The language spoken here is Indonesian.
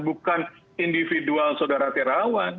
bukan individual saudara tirawan